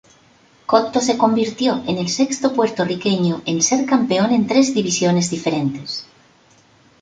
Cotto se convirtió en el sexto puertorriqueño en ser campeón en tres divisiones diferentes.